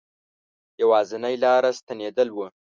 یوازنی لاره ستنېدل وه.